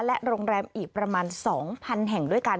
และโรงแรมอีกประมาณ๒๐๐๐แห่งด้วยกัน